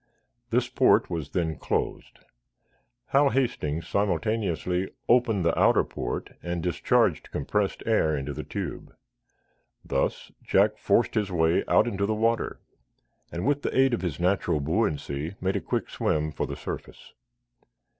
This port was then closed. Hal Hastings simultaneously opened the outer port and discharged compressed air into the tube. Thus Jack forced his way out into the water, and, with the aid of his natural buoyancy, made a quick swim for the surface.